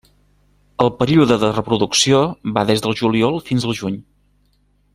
El període de reproducció va des del juliol fins al juny.